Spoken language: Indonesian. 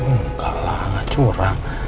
enggak lah curang